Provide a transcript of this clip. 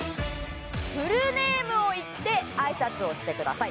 フルネームを言ってあいさつをしてください。